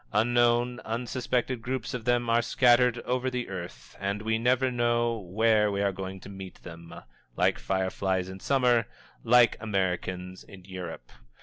Unknown, unsuspected groups of them are scattered over the earth, and we never know where we are going to meet them like fireflies in Summer, like Americans in Europe.